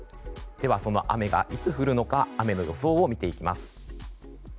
その雨がいつ降るのか雨の予想を見ていきます。